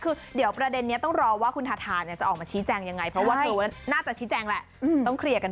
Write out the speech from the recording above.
คือเดี๋ยวประเด็นนี้ต้องรอว่าคุณทาทาจะออกมาชี้แจงยังไงเพราะว่าเธอน่าจะชี้แจงแหละต้องเคลียร์กัน